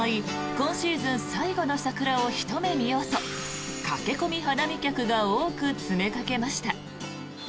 今シーズン最後の桜をひと目見ようと駆け込み花見客が多く詰めかけました。